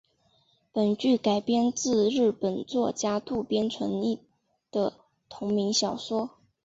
本剧改编自日本作家渡边淳一的同名小说。